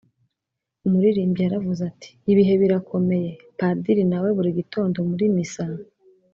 umuririmbyi yaravuze ati “ibihe birakomeye…” padiri nawe buri gitondo, muri misa